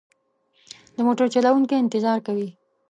د موټر چلوونکی انتظار کوي.